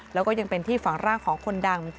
แล้วก็ยังเป็นที่ฝังร่างของคนดัง